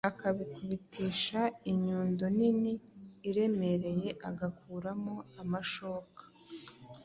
akabikubitisha inyundo nini iremereye agakuramo amashoka,